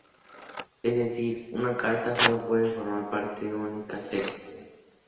Es decir, una carta sólo puede formar parte de una única serie.